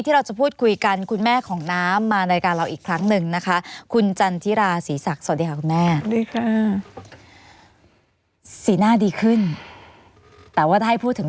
รู้สึกมันยังเหมือนเดิม